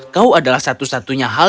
kau adalah satu satunya hal